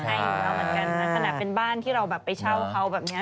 ขนาดเป็นบ้านที่เราไปเช่าเขาแบบนี้